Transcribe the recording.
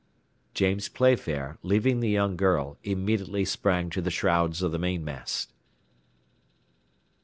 James Playfair, leaving the young girl, immediately sprang to the shrouds of the mainmast.